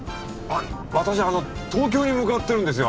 私あの東京に向かってるんですよ。